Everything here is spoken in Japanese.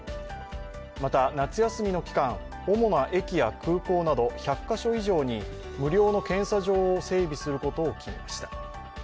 また夏休みの期間、主な駅や空港など１００カ所以上に無料の検査場を整備することを決めました。